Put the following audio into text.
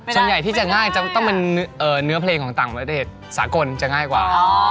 ส่วนใหญ่ที่จะง่ายต้องเป็นเนื้อเพลงของต่างประเทศสากลจะง่ายกว่า